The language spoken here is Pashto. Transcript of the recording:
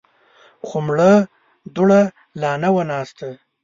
خو مړه دوړه لا نه وه ناسته.